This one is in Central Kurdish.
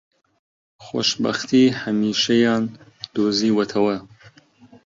خۆشبەختیی هەمیشەییان دۆزیوەتەوە